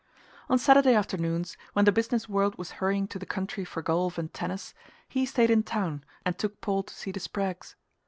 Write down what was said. On Saturday afternoons, when the business world was hurrying to the country for golf and tennis, he stayed in town and took Paul to see the Spraggs.